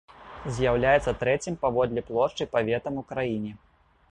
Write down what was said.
З'яўляецца трэцім паводле плошчы паветам у краіне.